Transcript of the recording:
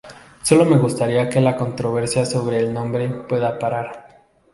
Sólo me gustaría que la controversia sobre el nombre pueda parar".